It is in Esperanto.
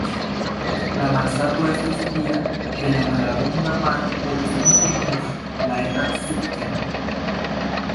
La malsato estis tia ke la malabunda pano povis nutri nur la etan Cipke-n.